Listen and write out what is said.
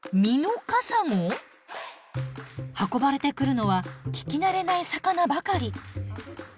運ばれてくるのは聞き慣れない魚ばかり。